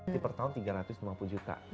di per tahun tiga ratus lima puluh juta